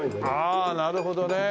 ああなるほどね。